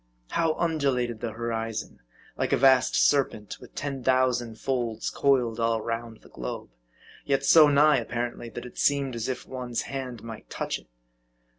How undulated the horizon ; like a vast serpent with ten thousand folds coiled all round the globe ; yet so nigh, ap parently, that it seemed as if one's hand might touch it.